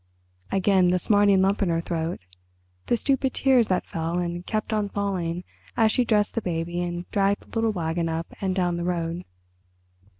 Again the smarting lump in her throat, the stupid tears that fell and kept on falling as she dressed the baby and dragged the little wagon up and down the road.